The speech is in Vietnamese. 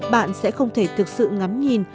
bạn sẽ không thể thực sự ngắm nhìn